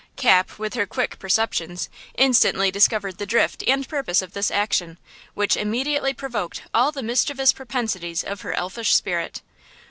Cap, with her quick perceptions, instantly discovered the drift and purpose of this action, which immediately provoked all the mischievous propensities of her elfish spirit.